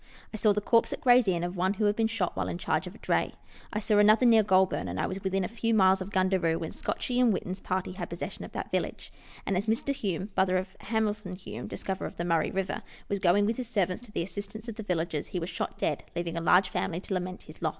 I saw the corpse at Gray's inn of one who had been shot while in charge of a dray. I saw another near Goulburn, and I was within a few miles of Gundaroo when Scotchie and Whitten's party had possession of that village ; and as Mr. Hume (brother of Hamilton Hume, dis coverer of the Murray river) was going with his servants to the assistance of the villagers he was shot dead, leaving a large family to lament his loss.